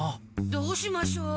どうしましょう？